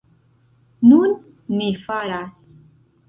Nun, ni faras!